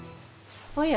おや。